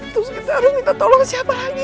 terus kita harus minta tolong siapa lagi